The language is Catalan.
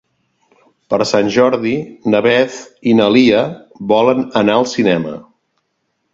Per Sant Jordi na Beth i na Lia volen anar al cinema.